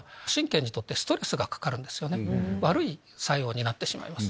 悪い作用になってしまいます。